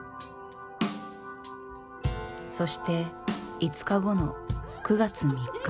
そして５日後の９月３日。